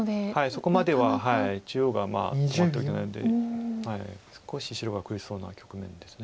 そこまでは中央が止まってはいないので少し白が苦しそうな局面です。